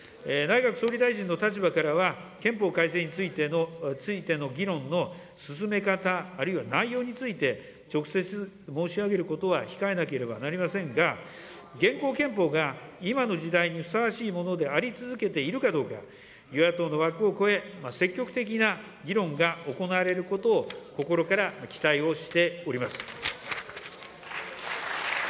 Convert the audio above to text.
内閣総理大臣の立場からは、憲法改正についての議論の進め方、あるいは内容について、直接、申し上げることは控えなければなりませんが、現行憲法が今の時代にふさわしいものであり続けているものかどうか、与野党の枠を超え、積極的な議論が行われることを、心から期待をしております。